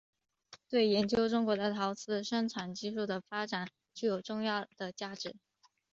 对研究中国的陶瓷生产技术的发展具有重要的价值。